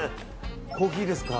コーヒーですか。